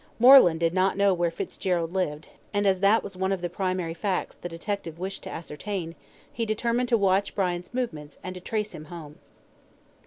Moreland did not know where Fitzgerald lived, and as that was one of the primary facts the detective wished to ascertain, he determined to watch Brian's movements, and to trace him home.